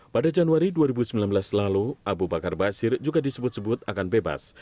pada januari dua ribu sembilan belas lalu abu bakar basir juga disebut sebut akan bebas